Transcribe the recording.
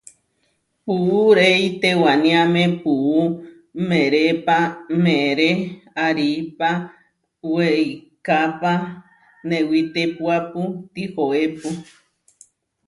Puú rei tewániame puú merépa meeré aripá, weikápa newitépuapu tihoépu.